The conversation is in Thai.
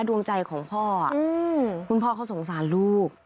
ดวงใจของพ่อคุณพ่อเขาสงสารลูก